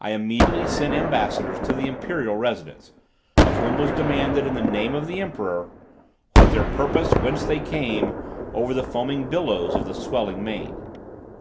I immediately sent ambassadors to the imperial residence, of whom was demanded in the name of the emperor, "What their purpose; whence they came Over the foaming billows of the swelling main."